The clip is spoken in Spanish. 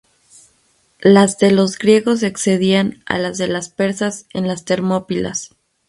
Las de los griegos excedían a las de los persas en las Termópilas.